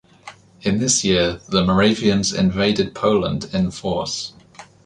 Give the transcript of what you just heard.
In this year the Moravians invaded Poland in force.